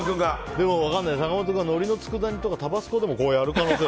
でも坂本君はのりのつくだ煮とかタバスコでも、やる可能性が。